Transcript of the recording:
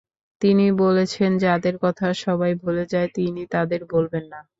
তিনি বলেছেন, যাদের কথা সবাই ভুলে যায়, তিনি তাদের ভুলবেন না।